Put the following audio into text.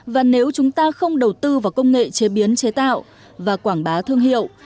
và nếu chúng ta không đầu tư vào công nghệ chế biến chế tạo và quảng bá thương hiệu